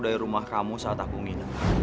dari rumah kamu saat aku ngine